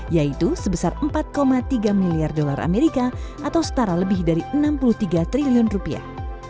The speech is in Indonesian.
yaitu sebesar empat tiga miliar dolar amerika atau setara lebih dari enam puluh tiga triliun rupiah